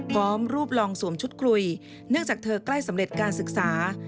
พร้อมรูปลองสวมชุดคุยเนื่องจากเธอใกล้สำเร็จการศึกษา